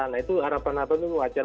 nah itu harapan harapan itu wajar